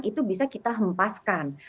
itu bisa kita hempaskan